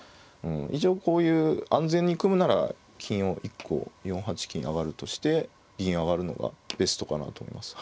一応こういう安全に組むなら金を１個４八金上として銀上がるのがベストかなと思います。